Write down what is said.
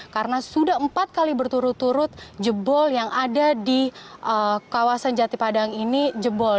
karena sudah empat kali berturut turut jebol yang ada di kawasan jati padang ini jebol